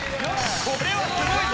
これはすごいぞ！